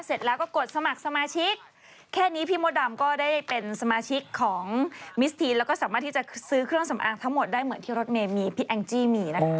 เสร็จแล้วก็กดสมัครสมาชิกแค่นี้พี่มดดำก็ได้เป็นสมาชิกของมิสทีนแล้วก็สามารถที่จะซื้อเครื่องสำอางทั้งหมดได้เหมือนที่รถเมย์มีพี่แองจี้มีนะคะ